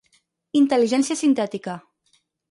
Intel·ligència Sintètica.